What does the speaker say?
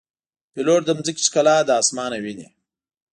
پیلوټ د ځمکې ښکلا له آسمانه ویني.